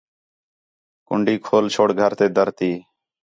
کنڈی کھول چھوڑ گھر تے دَر تی